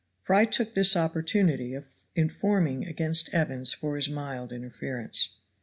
Fry took this opportunity of informing against Evans for his mild interference.